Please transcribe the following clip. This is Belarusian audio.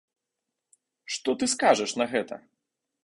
Што ты скажаш на гэта?